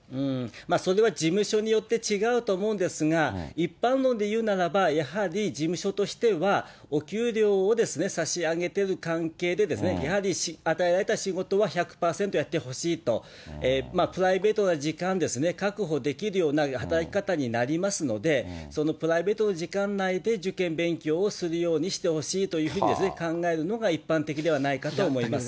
それは事務所によって違うと思うんですが、一般論で言うならば、やはり、事務所としては、お給料を差し上げている関係でですね、やはり、与えられた仕事は１００％やってほしいと、プライベートな時間ですね、確保できるような働き方になりますので、そのプライベートな時間内で受験勉強をするようにしてほしいというふうに考えるのが一般的ではないかと思います。